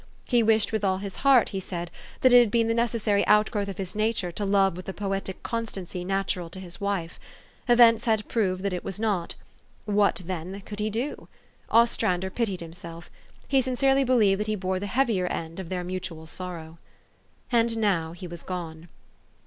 He wished with all his heart, he said, that it had been the necessary outgrowth of his nature to love with the poetic constancy natural to his wife. Events had proved that it was not. What, then, could he do? Ostrander pitied himself. He sin cerely believed that he bore the heavier end of their mutual sorrow. And now he was gone.